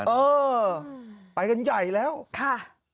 เออไปกันใหญ่แล้วค่ะ